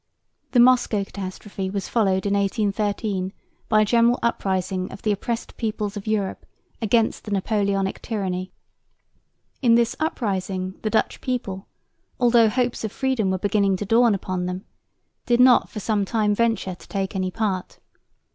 The Moscow catastrophe was followed in 1813 by a general uprising of the oppressed peoples of Europe against the Napoleonic tyranny. In this uprising the Dutch people, although hopes of freedom were beginning to dawn upon them, did not for some time venture to take any part.